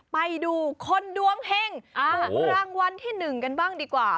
ไปดูคนดวงเฮ้งรางวัลที่หนึ่งกันบ้างดีกว่า